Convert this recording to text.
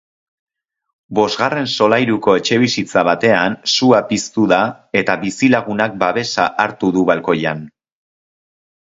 Bosgarren solairuko etxebizitza batean sua piztu da eta bizilagunak babesa hartu du balkoian.